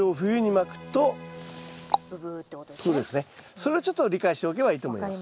それをちょっと理解しておけばいいと思います。